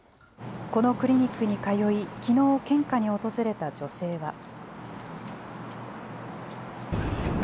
このクリニックに通い、きのう、献花に訪れた女性は。